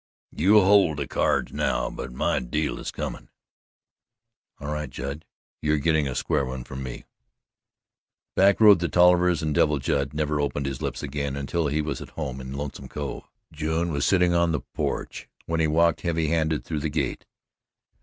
"You hold the cyards now, but my deal is comin'." "All right, Judd you're getting a square one from me." Back rode the Tollivers and Devil Judd never opened his lips again until he was at home in Lonesome Cove. June was sitting on the porch when he walked heavy headed through the gate.